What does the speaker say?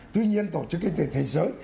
tuy nhiên tổ chức y tế thế giới